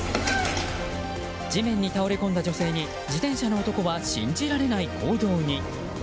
地面に倒れこんだ女性に自転車の男は信じられない行動に。